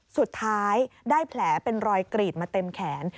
สุดท้ายได้แผลเป็นรอยกรีดมาเต็มแขน